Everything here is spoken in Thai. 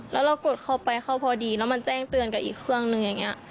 แล้วเรากดเข้าไปเขาพอดีแล้วมันแจ้งเตือนกับอีกเครื่องนึงอย่างนี้